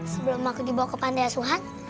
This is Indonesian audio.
sebelum aku dibawa ke pantai asuhan